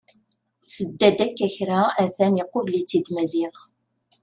Tedda-d akka kra a-t-an iqubel-itt-id Maziɣ.